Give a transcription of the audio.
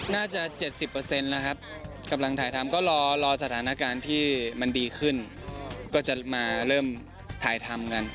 น่าจะ๗๐แล้วครับกำลังถ่ายทำก็รอสถานการณ์ที่มันดีขึ้นก็จะมาเริ่มถ่ายทำกัน